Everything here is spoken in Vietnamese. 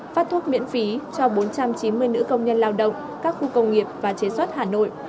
phát thuốc miễn phí cho bốn trăm chín mươi nữ công nhân lao động các khu công nghiệp và chế xuất hà nội